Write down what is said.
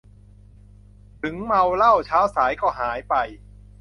ถึงเมาเหล้า เช้าสาย ก็หายไป